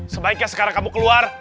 sebaiknya sekarang kamu keluar